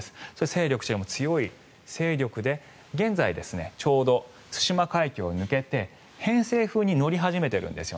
勢力としても強い勢力で現在、ちょうど対馬海峡を抜けて偏西風に乗り始めているんです。